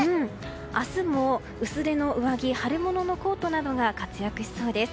明日も薄手の上着や春物のコートなどが活躍しそうです。